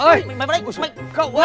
mày vào đây